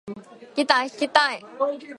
ギター弾きたい